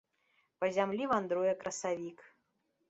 Па зямлі вандруе красавік.